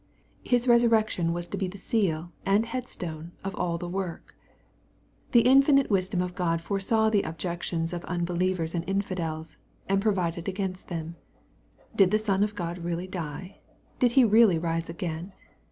His resurrection was to be the seal and head stone of all the work. The infinite wisdom of God foresaw the objections of unbelievers and infidels, and provided against them. — Did the Son of God really die ? Did he really rise again